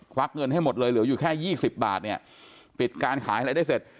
วักเงินให้หมดเลยเหลืออยู่แค่๒๐บาทเนี่ยปิดการขายอะไรได้เสร็จ